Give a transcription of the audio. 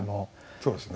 そうですね。